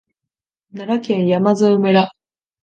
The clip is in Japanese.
奈良県山添村